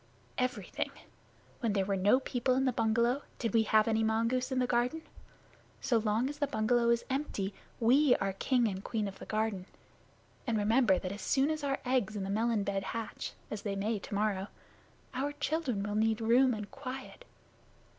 "Everything. When there were no people in the bungalow, did we have any mongoose in the garden? So long as the bungalow is empty, we are king and queen of the garden; and remember that as soon as our eggs in the melon bed hatch (as they may tomorrow), our children will need room and quiet."